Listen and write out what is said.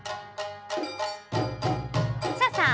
さあさあ